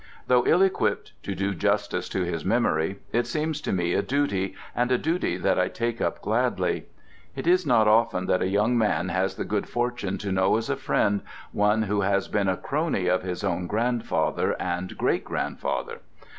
Though ill equipped to do justice to his memory, it seems to me a duty, and a duty that I take up gladly. It is not often that a young man has the good fortune to know as a friend one who has been a crony of his own grandfather and great grandfather.